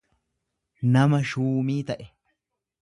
nama shuumii ta'e.